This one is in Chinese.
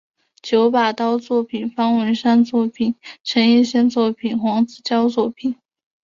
九把刀作品方文山作品陈奕先作品黄子佼作品